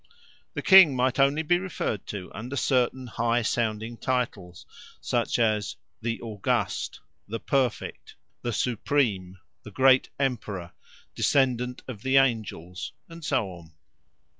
The king might only be referred to under certain high sounding titles, such as "the august," "the perfect," "the supreme," "the great emperor," "descendant of the angels," and so on.